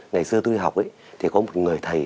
ngày xưa tôi đi học thì có một người thầy